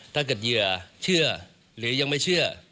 ถ้าเกิดเหยื่อเชื่อหรือยังไม่เชื่อ